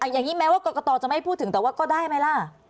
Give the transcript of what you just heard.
อย่างนี้แม้ว่ากรกตจะไม่พูดถึงแต่ว่าก็ได้ไหมล่ะ